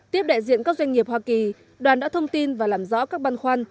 tiếp đại diện các doanh nghiệp hoa kỳ đoàn đã thông tin và làm rõ các băn khoăn